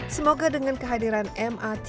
semoga dengan kehadiran mrt